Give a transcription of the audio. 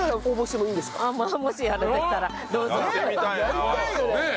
やりたいよね！